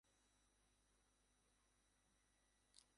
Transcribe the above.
ও সম্বন্ধে আমার বক্তব্য এই যে, ঘটনা যদি অনিবার্য হয় তার দুঃখও অনিবার্য।